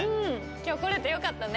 今日来れてよかったね。